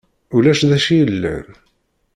Ulac d acu yellan?